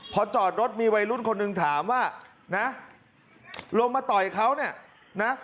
พอจอดรถมีวัยรุ่นคนหนึ่งถามว่านะลงมาต่อยเขาเนี่ยนะ